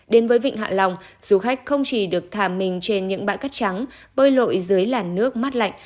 đến với vịnh hạ long du khách không chỉ được thàm mình trên những bãi cắt trắng bơi lội dưới làn nước mắt lạnh